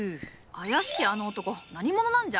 妖しきあの男何者なんじゃ？